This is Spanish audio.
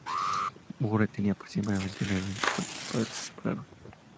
Bure tenía aproximadamente nueve años cuando sus padres se separaron.